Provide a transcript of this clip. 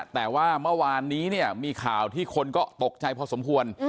แต่ว่าเมื่อวานนี้เนี่ยมีข่าวที่คนก็ตกใจพอสมควร